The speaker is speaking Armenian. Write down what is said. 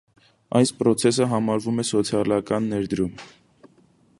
Այս պրոցեսը համարվում է սոցիալական ներդրում։